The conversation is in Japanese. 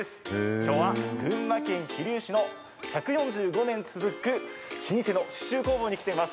今日は群馬県桐生市の１４５年続く老舗の刺しゅう工房に来ています。